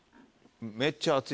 「めっちゃ暑い」